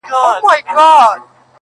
o پر سر وا مي ړوه یو مي سه تر سونډو,